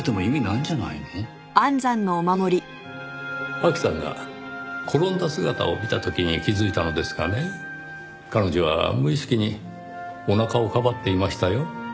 亜紀さんが転んだ姿を見た時に気づいたのですがね彼女は無意識におなかをかばっていましたよ。